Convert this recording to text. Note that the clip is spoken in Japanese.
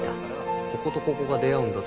でこことここが出会うんだったら。